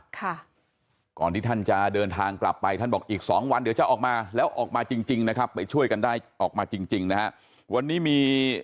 ก่อนที่ท่านจะเดินทางกลับไปท่านบอกอีกสองวันเดี๋ยวจะออกมาแล้วออกมาจริงจริงนะครับไปช่วยกันได้ออกมาจริงจริงนะฮะวันนี้มี